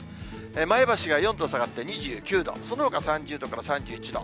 前橋が４度下がって、２９度、そのほか３０度から３１度。